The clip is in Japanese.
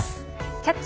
「キャッチ！